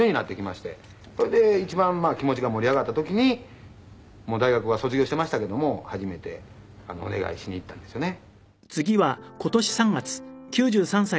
それで一番気持ちが盛り上がった時にもう大学は卒業してましたけども初めてお願いしに行ったんですよね。